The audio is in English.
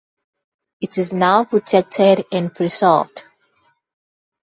It is now protected and preserved.